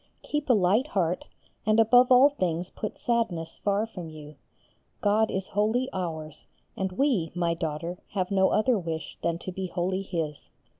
Keep a light heart, and above all things put sadness far from you. God is wholly ours, and we, my daughter, have no other wish than to be wholly His.